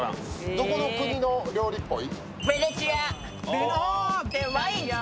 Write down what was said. どこの国の料理っぽい？